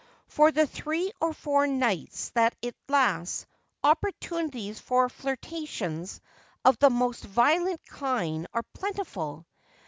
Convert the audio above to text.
For the three or four nights that it lasts, opportunities for flirtations of the most violent kind are plentiful.